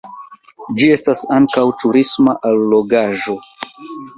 Ĝi estas ankaŭ turisma allogaĵo.